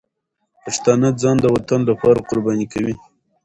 پښتانه ځان د وطن لپاره قرباني کوي.